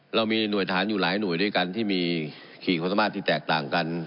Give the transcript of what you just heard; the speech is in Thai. เรามีหน่วยทหารอยู่หลายหน่วยด้วยกันที่มีขี่ความสามารถที่แตกต่างกัน